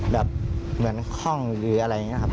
แบบเหมือนคล่องหรืออะไรอย่างนี้ครับ